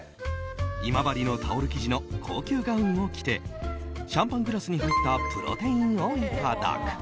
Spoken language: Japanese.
今治のタオル生地の高級ガウンを着てシャンパングラスに入ったプロテインをいただく。